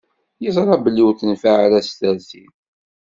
Yeẓṛa belli ur tenfiɛ ara tsertit.